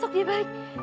besok dia balik